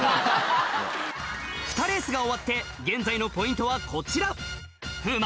ふたレースが終わって現在のポイントはこちら風磨